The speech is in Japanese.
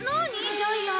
ジャイアン。